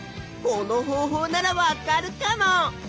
この方法ならわかるかも！